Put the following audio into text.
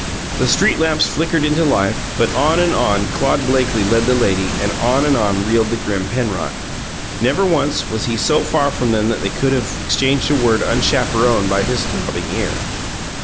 The street lamps flickered into life, but on and on Claude Blakely led the lady, and on and on reeled the grim Penrod. Never once was he so far from them that they could have exchanged a word unchaperoned by his throbbing ear.